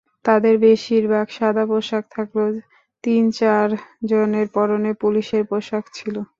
তাঁদের বেশির ভাগ সাদা পোশাকে থাকলেও তিন-চারজনের পরনে পুলিশের পোশাক ছিল।